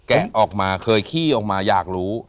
ออกมาเคยขี้ออกมาอยากรู้